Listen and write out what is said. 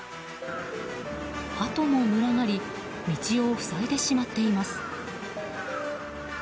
ハトも群がり道を塞いでしまっています。